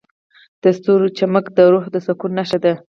د ستورو چمک د روح د سکون نښه ده.